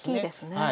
はい。